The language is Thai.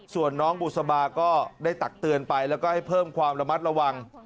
ส่วนน้องบุษบาก็ได้ตักเตือนไปแล้วก็ให้เพิ่มความระมัดระวัง